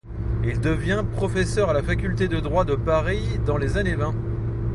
Il devient professeur à la faculté de droit de Paris dans les années vingt.